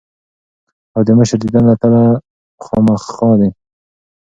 او د مشر ديدن له تلۀ خامخه دي ـ